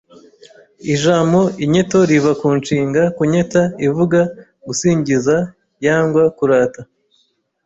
Ijamo iinyeto riva ku nshinga kunyeta ivuga gusingiza yangwa kurata